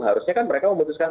harusnya kan mereka memutuskan